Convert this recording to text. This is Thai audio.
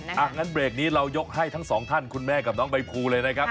อย่างนั้นเบรกนี้เรายกให้ทั้งสองท่านคุณแม่กับน้องใบภูเลยนะครับ